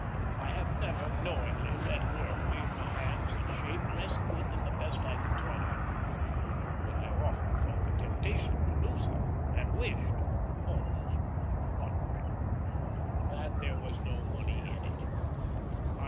I have never knowingly let work leave my hands in shape less good than the best I can turn out; but I have often felt the temptation to do so, and wished almost, not quite that there was no money in it.